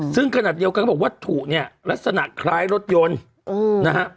ซึ่งกระหนักเดียวกันก็บอกว่าวัตถุนี้ลักษณะคล้ายรถยนต์